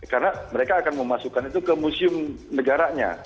karena mereka akan memasukkan itu ke museum negaranya